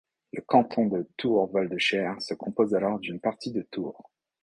Le canton de Tours-Val-de-Cher se compose alors d'une partie de Tours.